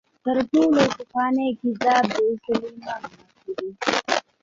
تر ټولو پخوانی کتاب د سلیمان ماکو دی.